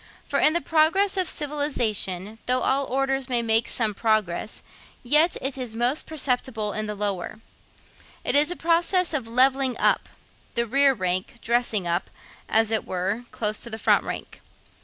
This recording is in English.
For in the progress of civilisation, though all orders may make some progress, yet it is most perceptible in the lower. It is a process of 'levelling up;' the rear rank 'dressing up,' as it were, close to the front rank.